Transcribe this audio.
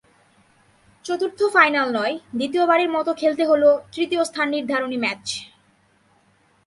চতুর্থ ফাইনাল নয়, দ্বিতীয়বারের মতো খেলতে হলো তৃতীয় স্থান নির্ধারণী ম্যাচ।